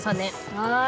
はい。